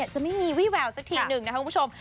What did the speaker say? จะไม่มีวิแวลสักทีนึงครับคุณผู้ชม